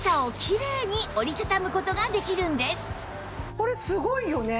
これすごいよね。